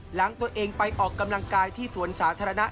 หลังตัวเองไปออกกำลังกายที่สวนสาธารณะ